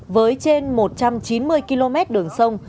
với trên một trăm chín mươi km đường sông